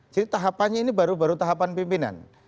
jadi tahapannya ini baru baru tahapan pimpinan